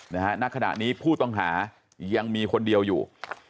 ณขณะนี้ผู้ต้องหายังมีคนเดียวอยู่